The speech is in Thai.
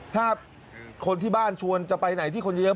ถ้าคนที่บ้านชวนจะไปไหนที่คนเยอะ